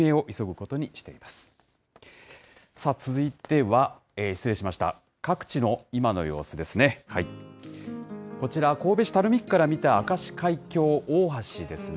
こちら、神戸市垂水区から見た明石海峡大橋ですね。